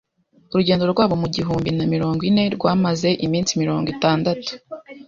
Urugendo rwabo mu gihumbi na mirongo ine rwamaze iminsi mirongo itandatu.